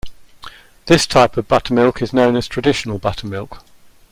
This type of buttermilk is known as traditional buttermilk.